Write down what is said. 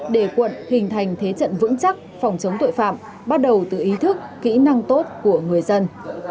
để quận hình thành thế trận vững chắc phòng chống tội phạm bắt đầu từ ý thức kỹ năng tốt của người dân